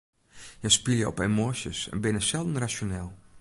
Hja spylje op emoasjes en binne selden rasjoneel.